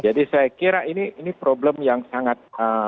saya kira ini problem yang sangat